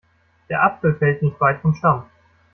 Der Apfel fällt nicht weit vom Stamm.